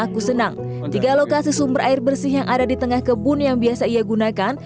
aku senang tiga lokasi sumber air bersih yang ada di tengah kebun yang biasa ia gunakan